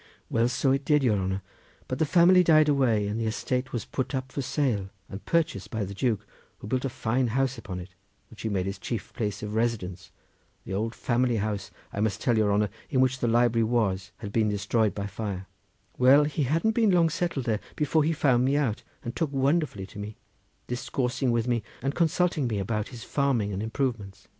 "Well, so it did, your honour! but the family died away, and the estate was put up for sale, and purchased by the Duke, who built a fine house upon it, which he made his chief place of residence—the old family house, I must tell your honour, in which the library was had been destroyed by fire: well, he hadn't been long settled there before he found me out and took wonderfully to me, discoursing with me and consulting me about his farming and improvements.